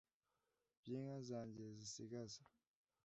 by’inka zanjye sigagaza :